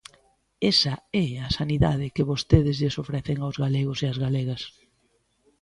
Esa é a sanidade que vostedes lles ofrecen aos galegos e ás galegas.